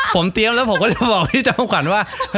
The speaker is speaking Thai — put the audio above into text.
ผมเตรียมแล้วผมก็จะมาบอกพี่จอมขวัญว่า